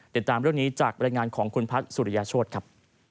ติดตามเรื่องนี้จากบรรยายงานของคุณพัฒน์สุริยาโชธครับ